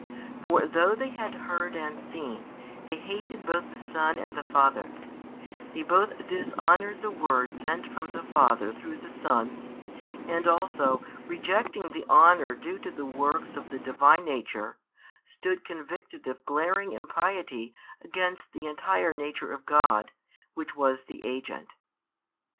For though they had heard and seen, they hated both the Son and the Father; they both dishonoured the Word sent from the Father through the Son, and also, rejecting the honour due to the works of the Divine Nature, stood convicted of glaring impiety against the entire Nature of God, which was the agent.